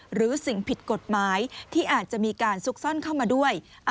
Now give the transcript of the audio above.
หรือสิ่งผิดกฎหมายที่อาจจะมีการซุกซ่อนเข้ามาด้วย